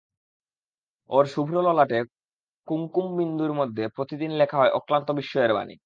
ওর শুভ্রললাটে কুঙ্কুমবিন্দুর মধ্যে প্রতিদিন লেখা হয় অক্লান্ত বিস্ময়ের বাণী।